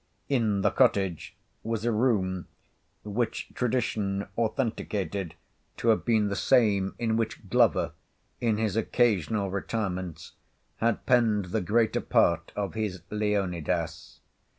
In the cottage was a room, which tradition authenticated to have been the same in which Glover, in his occasional retirements, had penned the greater part of his Leonidas.